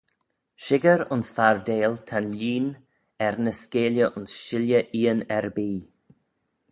Shickyr ayns fardail ta'n lieen er ny skeayley ayns shilley eean erbee.